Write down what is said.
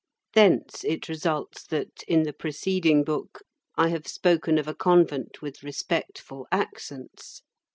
Thence it results that, in the preceding book, I have spoken of a convent with respectful accents.